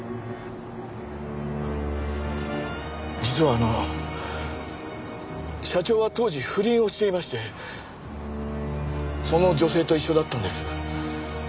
実はあの社長は当時不倫をしていましてその女性と一緒だったんです。